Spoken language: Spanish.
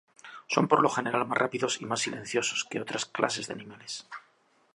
Son por lo general más rápidos y más silenciosos que otras clases de animales.